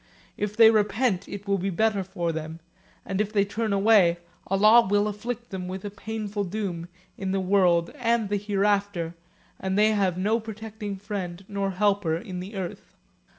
If they repent it will be better for them; and if they turn away, Allah will afflict them with a painful doom in the world and the Hereafter, and they have no protecting friend nor helper in the earth.